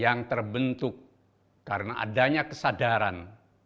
yang terbentuk karena adanya kesadaran